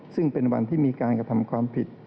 ซึ่งเป็นวันที่มีการกระทำความผิด